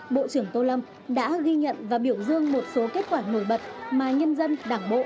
bộ trưởng tô lâm đã ghi nhận và biểu dương một số kết quả nổi bật mà nhân dân đảng bộ